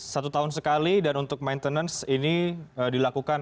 satu tahun sekali dan untuk maintenance ini dilakukan